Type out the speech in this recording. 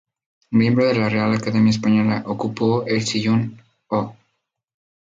Miembro de la Real Academia Española, ocupó el sillón "o".